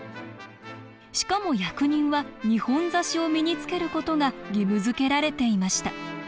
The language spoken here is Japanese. しかも役人は二本差しを身につける事が義務づけられていました。